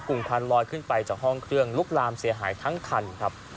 งควันลอยขึ้นไปจากห้องเครื่องลุกลามเสียหายทั้งคันครับ